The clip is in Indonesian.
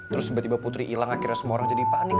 terus sempat putri hilang akhirnya semua orang jadi panik